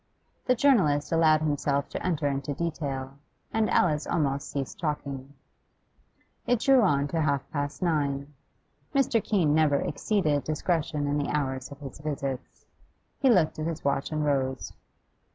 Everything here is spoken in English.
The journalist allowed himself to enter into detail, and Alice almost ceased talking. It drew on to half past nine. Mr. Keene never exceeded discretion in the hours of his visits. He looked at his watch and rose.